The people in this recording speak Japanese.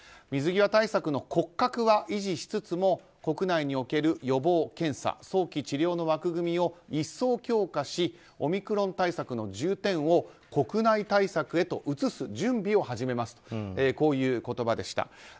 水際対策の骨格は維持しつつも国内における予防、検査、早期治療の枠組みを一層強化しオミクロン株対策の重点を国内対策へと移す準備を始めますとこういう言葉でした。